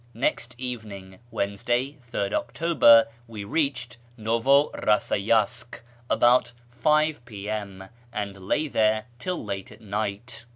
Next evening (Wednesday, 3rd October) we reached Novo Eassayask about 5 p.m., and lay there till late at night.